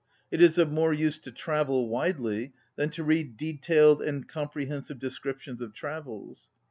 It is of more use to travel widely than to read detailed and comprehen sive descriptions of travels.